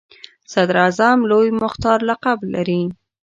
صدراعظم لوی مختار لقب لري.